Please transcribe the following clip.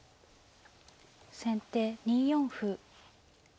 先手２四歩。